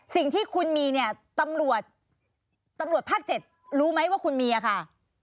สิ่งที่คุณมีเนี่ยตำรวจตำรวจภาค๗รู้ไหมว่าคุณเมียค่ะ